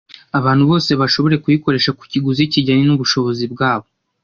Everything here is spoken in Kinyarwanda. abantu bose bashobore kuyikoresha ku kiguzi kijyanye n’ubushobozi bwabo